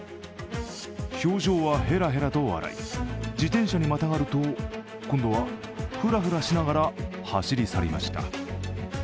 表情はヘラヘラと笑い自転車にまたがると今度は、フラフラしながら走り去りました。